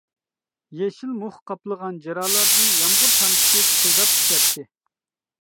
يېشىل مۇخ قاپلىغان جىرالاردىن يامغۇر تامچىسى چىپىلداپ چۈشەتتى.